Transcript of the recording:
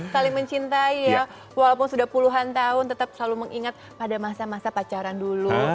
saling mencintai ya walaupun sudah puluhan tahun tetap selalu mengingat pada masa masa pacaran dulu